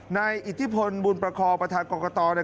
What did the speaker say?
ในอิทธิพลบุญประคอประธานกรกฎา